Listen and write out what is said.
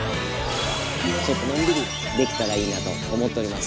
ちょっとのんびりできたらいいなと思っております。